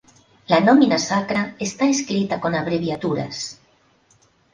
La nomina sacra está escrita con abreviaturas.